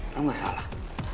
lo enggak salah